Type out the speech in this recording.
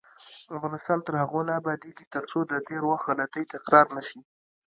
افغانستان تر هغو نه ابادیږي، ترڅو د تیر وخت غلطۍ تکرار نشي.